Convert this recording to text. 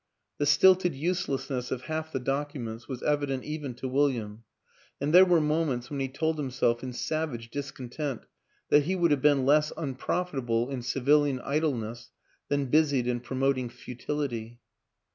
The stilted useless ness of half the documents was evident even to William; and there were moments when he told himself, in savage discontent, that he would have been less unprofitable in civilian idleness than busied in promoting futility.